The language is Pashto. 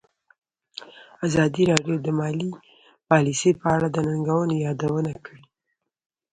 ازادي راډیو د مالي پالیسي په اړه د ننګونو یادونه کړې.